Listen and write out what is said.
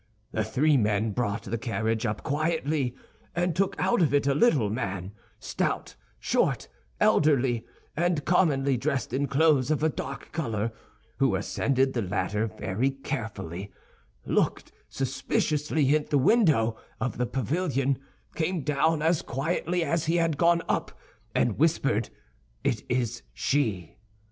The three men brought the carriage up quietly, and took out of it a little man, stout, short, elderly, and commonly dressed in clothes of a dark color, who ascended the ladder very carefully, looked suspiciously in at the window of the pavilion, came down as quietly as he had gone up, and whispered, 'It is she!